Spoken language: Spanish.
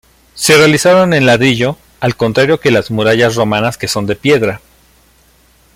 Se realizaron en ladrillo, al contrario que las murallas romanas que son de piedra.